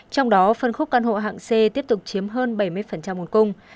trong đó phân khúc căn hộ hạng c tiếp tục chiếm hơn bảy mươi nguồn cung